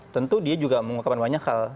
tentu dia juga mengungkapkan banyak hal